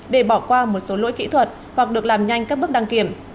để bỏ qua một số lỗi kỹ thuật hoặc được làm nhanh các bước đăng kiểm